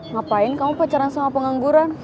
ngapain kamu pacaran sama pengangguran